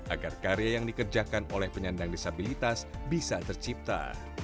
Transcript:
agar karya yang dikerjakan oleh penyandang disabilitas bisa tercipta